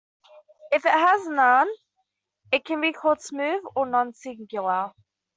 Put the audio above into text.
If it has none, it can be called "smooth" or "non-singular".